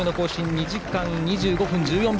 ２時間２５分１４秒。